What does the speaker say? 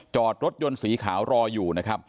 จอดรถยนต์สีขาวรออยู่นะครับ